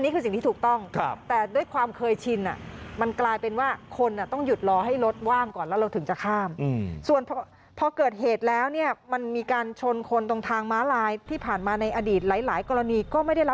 ครับสิ่งที่ถูกต้องแต่การเป็นว่าคนต้องหยุดรอ